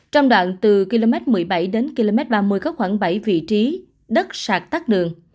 trong đoạn từ km một mươi bảy đến km ba mươi có khoảng bảy vị trí đất sạt tắt đường